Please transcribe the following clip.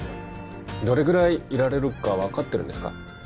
どれぐらいいられるか分かってるんですか？